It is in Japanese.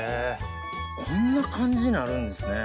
こんな感じなるんですね。